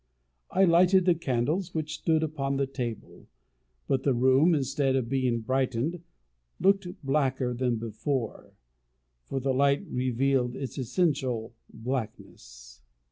I lighted the candles which stood upon the table, but the room, instead of being brightened looked blacker than before, for the light revealed its essential blackness.